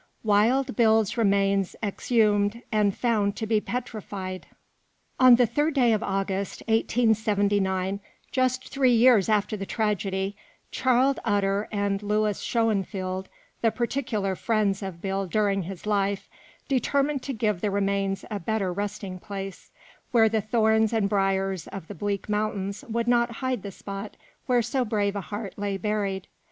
WILD BILL'S REMAINS EXHUMED AND FOUND TO BE PETRIFIED. On the third day of August, 1879, just three years after the tragedy, Charley Utter and Lewis Shœnfield, the particular friends of Bill during his life, determined to give the remains a better resting place, where the thorns and briars of the bleak mountains would not hide the spot where so brave a heart lay buried.